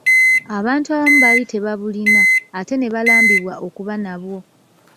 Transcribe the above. Abantu abamu bali tebabulina, ate nebalambibwa okuba nabwo.